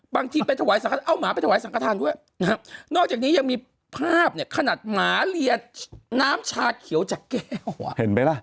บางทีไปถวายสังขรเอาหมาไปถวายสังขทานด้วยนะฮะนอกจากนี้ยังมีภาพเนี่ยขนาดหมาเลียน้ำชาเขียวจากแก้วอ่ะเห็นไหมล่ะ